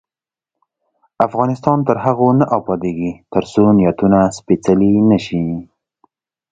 افغانستان تر هغو نه ابادیږي، ترڅو نیتونه سپیڅلي نشي.